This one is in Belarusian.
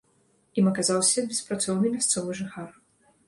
Ім аказаўся беспрацоўны мясцовы жыхар.